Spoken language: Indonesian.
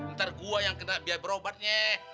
ntar gua yang kena biaya berobatnya